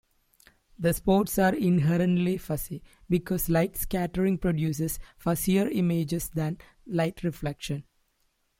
The spots are inherently fuzzy because light scattering produces fuzzier images than light reflection.